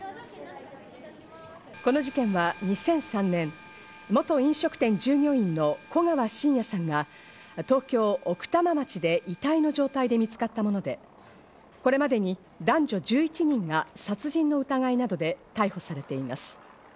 この事件は２００３年、元飲食店従業員の古川信也さんが東京・奥多摩町で遺体の状態で見つかったもので、これまでに男女１１人が殺人の疑いなどで逮捕されています。